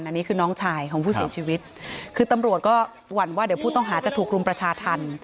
อันนี้คือน้องชายของผู้เสียชีวิตคือตำรวจก็หวั่นว่าเดี๋ยวผู้ต้องหาจะถูกรุมประชาธรรม